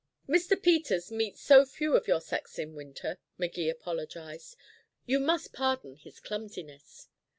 "Mr. Peters meets so few of your sex in winter," Magee apologized, "you must pardon his clumsiness.